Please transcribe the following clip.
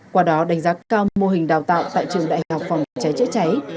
qua đó đánh giá cao mô hình đào tạo tại trường đại học phòng cháy chữa cháy